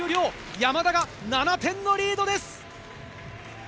山田が７点のリードです。